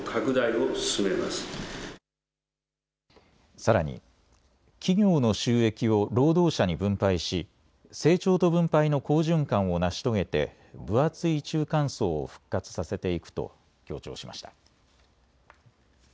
さらに企業の収益を労働者に分配し成長と分配の好循環を成し遂げて分厚い中間層を復活させていくと強調しました。